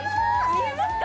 見えますか？